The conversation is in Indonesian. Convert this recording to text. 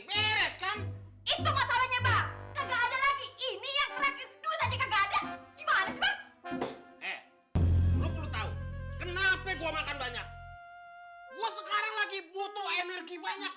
makan makan makan makan makanan enak banget